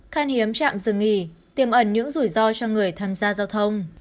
khăn hiếm chạm dừng nghỉ tiềm ẩn những rủi ro cho người tham gia giao thông